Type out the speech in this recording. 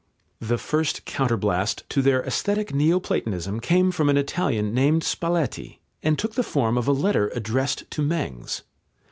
The first counterblast to their aesthetic Neo platonism came from an Italian named Spalletti, and took the form of a letter addressed to Mengs.